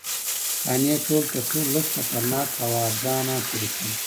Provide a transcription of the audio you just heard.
قانع کول تر ټولو لږ خطرناکه او ارزانه طریقه ده